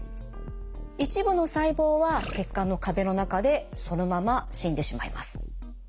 一部の細胞は血管の壁の中でそのまま死んでしまいます。